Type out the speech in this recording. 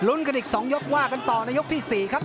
กันอีก๒ยกว่ากันต่อในยกที่๔ครับ